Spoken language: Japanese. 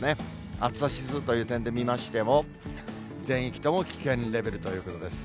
暑さ指数という点で見ましても、全域とも危険レベルということです。